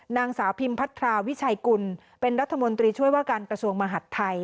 นางสาวพิมพัทราวิชัยกุลเป็นรัฐมนตรีช่วยว่าการกระทรวงมหัฐไทย